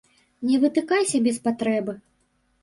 Не вытыкайся без патрэбы.